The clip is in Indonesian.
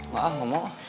gak ah gak mau